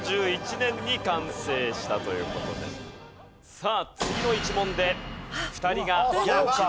さあ次の１問で２人が落ちます。